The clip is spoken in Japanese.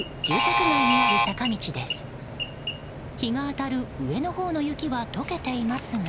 住宅街にある坂道です。